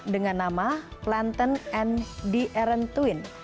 dengan nama planten n d erentwil